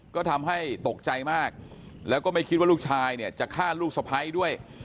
ก็ทำให้ตกใจมากแล้วก็ไม่คิดว่าลูกชายเนี่ยจะฆ่าลูกสะพ้ายด้วย